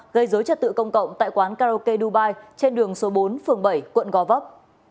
gây dối trật tự công cộng tại quán karaoke dubai trên đường số bốn phường bảy quận gò vấp